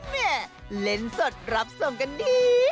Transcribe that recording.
แม่เล่นสดรับส่งกันดี